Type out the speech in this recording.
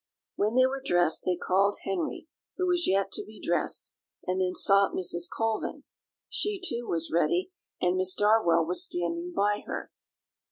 When they were dressed they called Henry, who was yet to be dressed, and then sought Mrs. Colvin; she, too, was ready, and Miss Darwell was standing by her.